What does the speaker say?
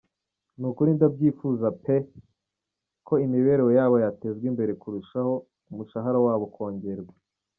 "Ni ukuri ndabyifuza peeeee!! ko imibereho yabo yatezwa imbere kurushaho, umushahara wabo ukongerwa.